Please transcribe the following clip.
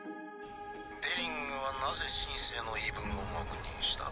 デリングはなぜ「シン・セー」の言い分を黙認した？